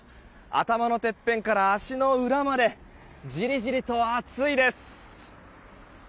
頭のてっぺんから足の裏までじりじりと暑いです。